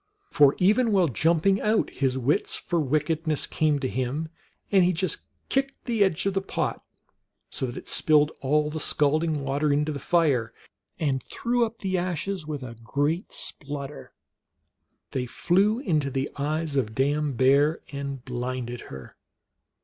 For even while jumping out his wits for wickedness came to him, and he just kicked the edge of the pot, so that it spilled all the scalding hot water into the fire, and threw up the ashes with a great splutter. They flew into the eyes of Dame Beav and blinded her.